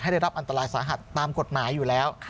ได้รับอันตรายสาหัสตามกฎหมายอยู่แล้ว